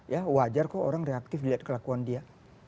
ya wajar kok orang reaktif lihat kelakuan dia